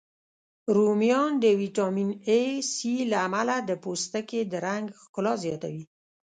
رومیان د ویټامین C، A، له امله د پوستکي د رنګ ښکلا زیاتوی